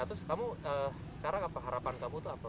nah terus kamu sekarang harapan kamu tuh apa